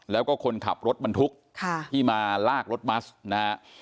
แล้วก็คนขับรถบรรทุกที่มาลากรถบัสนะฮะ